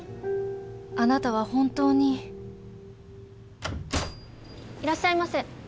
あなたは本当に・いらっしゃいませ。